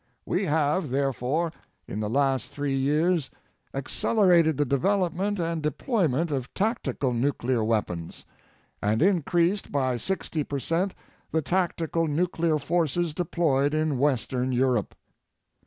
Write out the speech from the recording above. We have, therefore, in the last 3 years accelerated the development and deployment of tactical nuclear weapons, and increased by 60 percent the tactical nuclear forces deployed in Western Europe.